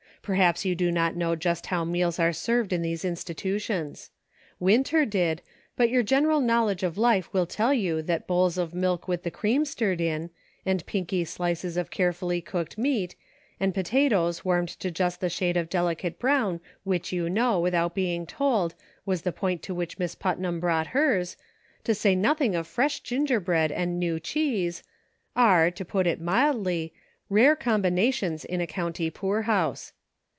Perhaps you do not know just how meals are served in those institutions. Winter did, but your general knowledge of life will tell you that bowls of milk with the cream stirred in, and pinky slices of carefully cooked meat, and potatoes warmed to just the shade of delicate brown which you know, without being told, was the point to which Miss Putnam brought hers, to say nothing of fresh gingerbread and new cheese, are, to put it mildly, rare combinations in a county poor house.